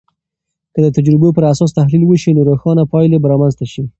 که د تجربو پراساس تحلیل وسي، نو روښانه پایلې به رامنځته سي.